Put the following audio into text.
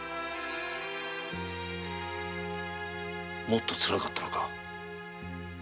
もっと辛かったのか？